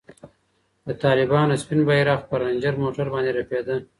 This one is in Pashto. د طالبانو سپین بیرغ پر رنجر موټر باندې رپېده.